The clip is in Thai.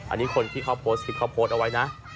อันนี้คนที่เขาโพสต์คลิปเขาโพสต์เอาไว้นะ